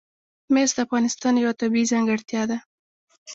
مس د افغانستان یوه طبیعي ځانګړتیا ده.